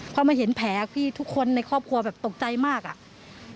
พอมาเห็นแผลพี่ทุกคนในครอบครัวแบบตกใจมากอ่ะ